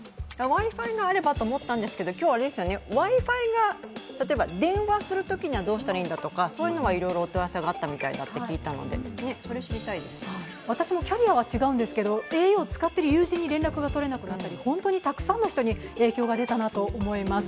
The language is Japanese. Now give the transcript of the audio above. Ｗｉ−Ｆｉがあればと思ったんですけど、例えば電話するときにどうするんだとかそういうのはいろいろお問い合わせがあったみたいだと聞いたので、私もキャリアは違うんですけれども、ａｕを使っていた友人に連絡が取れなくなったり、たくさんの人に影響が出たと思います。